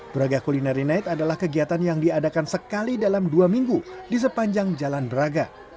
braga culinary night adalah kegiatan yang diadakan sekali dalam dua minggu di sepanjang jalan braga